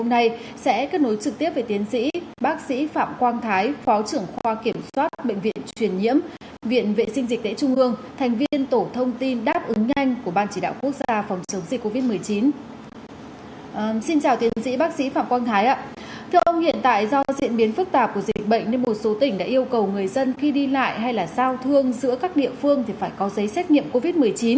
điều kết quả của dịch bệnh lên một số tỉnh đã yêu cầu người dân khi đi lại hay là giao thương giữa các địa phương thì phải có giấy xét nghiệm covid một mươi chín